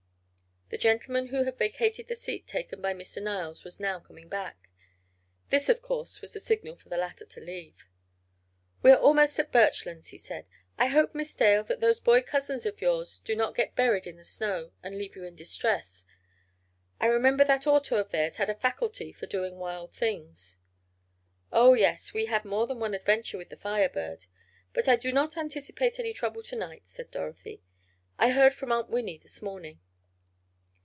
The gentleman who had vacated the seat taken by Mr. Niles was now coming back. This, of course, was the signal for the latter to leave. "We are almost at the Birchlands!" he said, "I hope, Miss Dale, that those boy cousins of yours do not get buried in the snow, and leave you in distress. I remember that auto of theirs had a faculty for doing wild things." "Oh, yes. We had more than one adventure with the Fire Bird. But I do not anticipate any trouble to night," said Dorothy. "I heard from Aunt Winnie this morning."